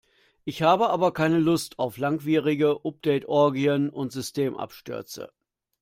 Ich habe aber keine Lust auf langwierige Update-Orgien und Systemabstürze.